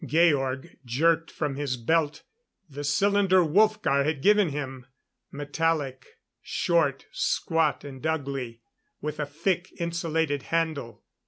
Georg jerked from his belt the cylinder Wolfgar had given him. Metallic. Short, squat and ugly, with a thick, insulated handle.